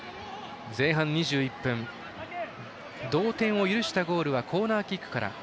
前半２１分同点を許したゴールはコーナーキックから。